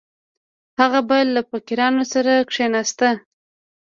هغه به له فقیرانو سره کښېناست.